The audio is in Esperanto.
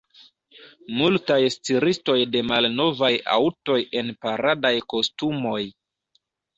Multaj stiristoj de malnovaj aŭtoj en paradaj kostumoj.